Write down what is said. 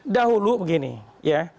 dahulu begini ya